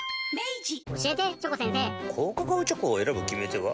高カカオチョコを選ぶ決め手は？